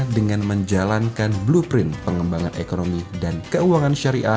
dengan menjalankan blueprint pengembangan ekonomi dan keuangan syariah